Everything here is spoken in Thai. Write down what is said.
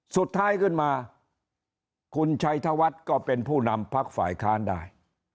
สุดท้ายขึ้นมาคุณชัยธวัฒน์ก็เป็นผู้นำพักฝ่ายค้านได้